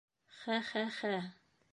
Хә-хә-хә!